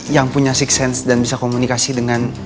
yang punya six sense dan bisa komunikasi dengan